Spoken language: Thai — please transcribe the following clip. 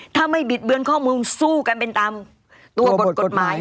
ถ้าไม่บิดเบือนข้อมูลสู้กันเป็นตามตัวบทกฎหมาย